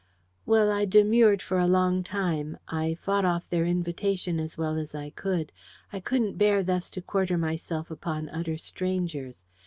Well, I demurred for a long time; I fought off their invitation as well as I could: I couldn't bear thus to quarter myself upon utter strangers.